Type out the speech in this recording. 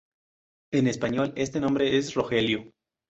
En español, este nombre es Rogelio.